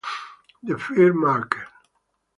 The Fear Market